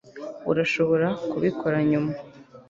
urashobora kubikora nyuma